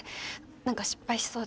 何か失敗しそうで。